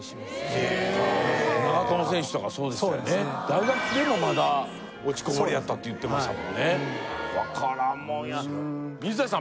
大学でもまだ落ちこぼれやったって言ってました